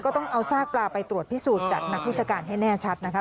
ต้องเอาซากปลาไปตรวจพิสูจน์จากนักวิชาการให้แน่ชัดนะคะ